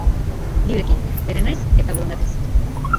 Libreki, bere nahiz eta borondatez.